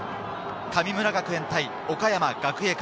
神村学園対岡山学芸館。